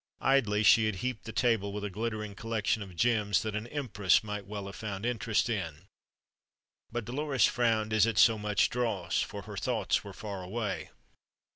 Idly she had heaped the table with a glittering collection of gems that an empress might well have found interest in; but Dolores frowned as at so much dross, for her thoughts were far away.